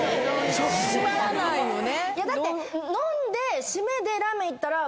締まらないよね